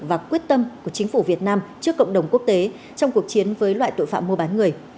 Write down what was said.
và quyết tâm của chính phủ việt nam trước cộng đồng quốc tế trong cuộc chiến với loại tội phạm mua bán người